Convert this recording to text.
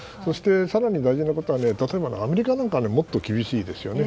更に大事なことはアメリカなんかはもっと厳しいですよね。